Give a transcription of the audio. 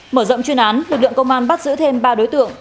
mở rộng chuyên án lực lượng công an bắt giữ thêm ba đối tượng